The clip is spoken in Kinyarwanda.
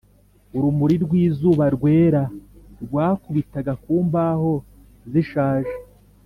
urumuri rw'izuba rwera rwakubitaga ku mbaho zishaje